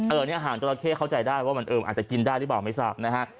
อันนี้อาหารจราเข้เข้าใจได้ว่ามันอาจจะกินได้หรือเปล่าไม่ทราบนะฮะ